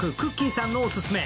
さんのオススメ。